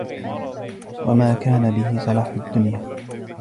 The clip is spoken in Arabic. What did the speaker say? وَمَا كَانَ بِهِ صَلَاحُ الدُّنْيَا